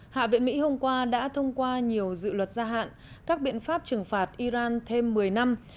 hạ viện mỹ hôm qua đã thông qua nhiều dự luật gia hạn các biện pháp trừng phạt iran thêm một mươi năm